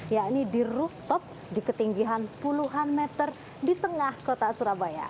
yakni di rooftop di ketinggian puluhan meter di tengah kota surabaya